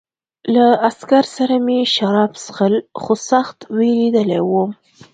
له عسکر سره مې شراب څښل خو سخت وېرېدلی وم